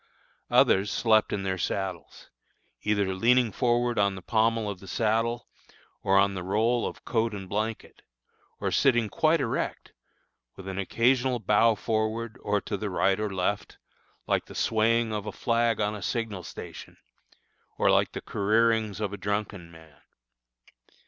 Others slept in their saddles, either leaning forward on the pommel of the saddle, or on the roll of coat and blanket, or sitting quite erect, with an occasional bow forward or to the right or left, like the swaying of a flag on a signal station, or like the careerings of a drunken man.